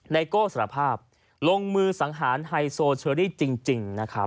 ในโก้สารภาพลงมือสังหารไฮโซเชอรี่จริง